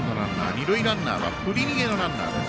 二塁ランナーは振り逃げのランナーです。